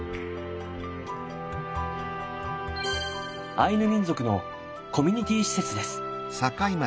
アイヌ民族のコミュニティー施設です。